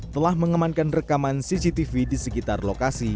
telah mengamankan rekaman cctv di sekitar lokasi